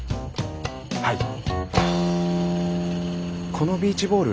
このビーチボール